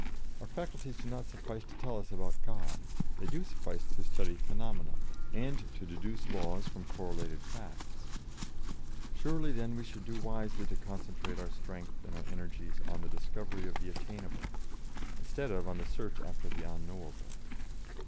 "Our faculties do not suffice to tell us about God; they do suffice to study phenomena, and to deduce laws from correlated facts. Surely, then, we should do wisely to concentrate our strength and our energies on the discovery of the attainable, instead of on the search after the unknowable.